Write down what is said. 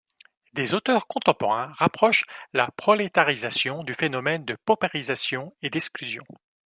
Des auteurs contemporains rapprochent la prolétarisation du phénomène de paupérisation et d'exclusion.